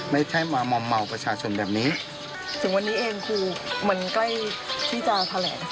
ไม่ใช่มามอมเมาประชาชนแบบนี้ถึงวันนี้เองคือมันใกล้ที่จะแถลง